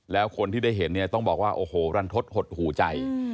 และคนที่ได้เห็นต้องบอกว่ารันทศหดหูใจ